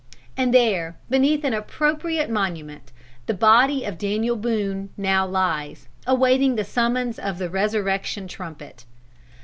And there beneath an appropriate monument, the body of Daniel Boone now lies, awaiting the summons of the resurrection trumpet.